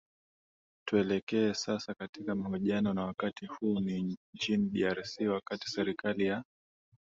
tuelekee sasa katika mahojiano na wakati huu ni nchini drc wakati serikali ya